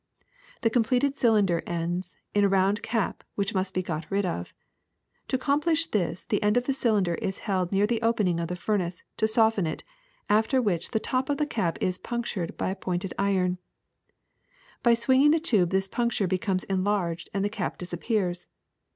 ^^ The completed cylinder ends in a round cap which must be got rid of. To accomplish this the end of the cylinder is held near the opening of the furnace to soften it, after which the top of the cap is punc tured with a pointed iron. By swinging the tube this puncture becomes enlarged and the cap dis appears.